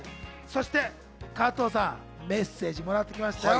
そして加藤さん、メッセージをもらってきましたよ。